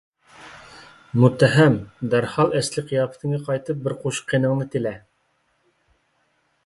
مۇتتەھەم! دەرھال ئەسلىي قىياپىتىڭگە قايتىپ بىر قوشۇق قېنىڭنى تىلە!